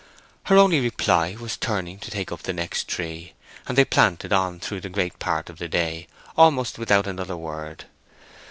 Her only reply was turning to take up the next tree; and they planted on through a great part of the day, almost without another word.